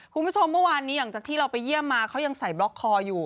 คุณผู้ชมเมื่อวานนี้หลังจากที่เราไปเยี่ยมมาเขายังใส่บล็อกคออยู่